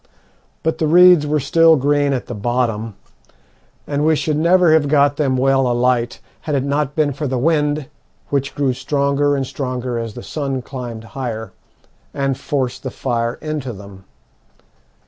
But the reeds were still green at the bottom, and we should never have got them well alight had it not been for the wind, which grew stronger and stronger as the sun climbed higher, and forced the fire into them.